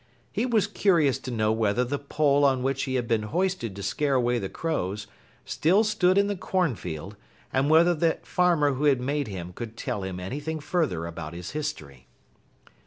He was curious to know whether the pole on which he had been hoisted to scare away the crows still stood in the cornfield and whether the farmer who had made him could tell him anything further about his history.